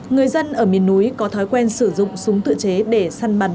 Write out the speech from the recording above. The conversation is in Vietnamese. người dân ở miền núi có thói quen sử dụng súng tự chế để săn bắn